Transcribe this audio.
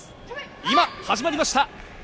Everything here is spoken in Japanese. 今、始まりました。